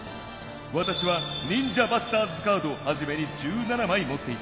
わたしはニンジャバスターズカードをはじめに１７まいもっていた。